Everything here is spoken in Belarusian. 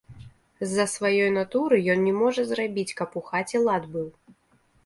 З-за сваёй натуры ён не можа зрабіць, каб у хаце лад быў.